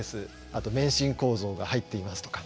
あと免震構造が入っていますとか。